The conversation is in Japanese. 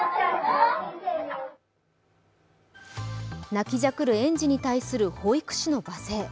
泣きじゃくる園児に対する保育士の罵声。